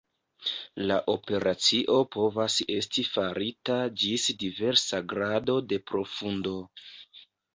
La operacio povas esti farita ĝis diversa grado de profundo.